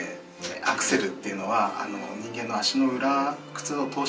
アクセルっていうのは人間の足の裏靴を通してね